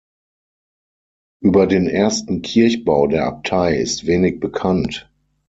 Über den ersten Kirchbau der Abtei ist wenig bekannt.